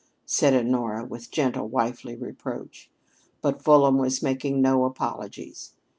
said Honora with gentle wifely reproach. But Fulham was making no apologies.